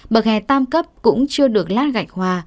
bậc ghe tam cấp cũng chưa được lát gạch hoa